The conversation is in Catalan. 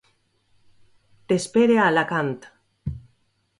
T'espere a Alacant.